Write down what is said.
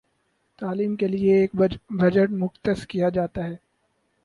تعلیم کے لیے ایک بجٹ مختص کیا جاتا ہے